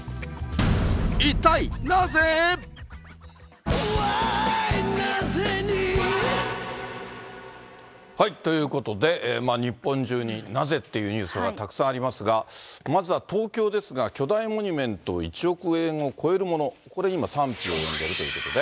一体なぜ？ということで、日本中になぜというニュースはたくさんありますが、まずは東京ですが、巨大モニュメント１億円を超えるもの、これ、今、賛否を生んでいるということで。